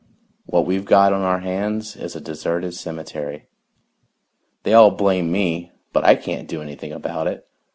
What we've got on our hands is a deserted cemetery. They all blame me, but I can't do anything about it.